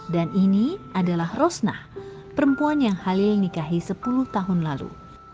dan ini adalah rosnah perempuan yang halil nikahi sepuluh tahun lalu